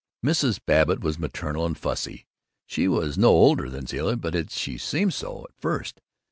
Mrs. Babbitt was maternal and fussy. She was no older than Zilla, but she seemed so at first.